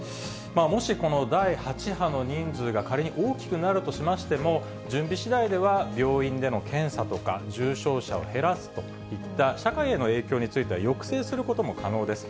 もしこの第８波の人数が仮に大きくなるとしましても、準備しだいでは病院での検査とか、重症者を減らすといった社会への影響については、抑制することも可能です。